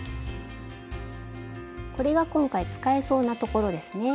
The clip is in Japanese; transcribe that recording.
これが今回使えそうなところですね。